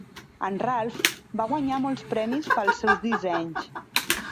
En Ralph va guanyar molts premis pels seus dissenys.